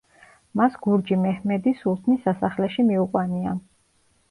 მას გურჯი მეჰმედი სულთნის სასახლეში მიუყვანია.